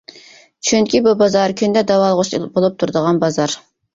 چۈنكى بۇ بازار كۈندە داۋالغۇش بولۇپ تۇرىدىغان بازار.